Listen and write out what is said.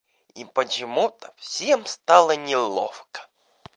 И почему-то всем стало неловко.